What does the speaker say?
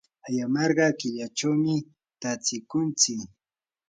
ayamarqay killachawmi tatsikuntsik.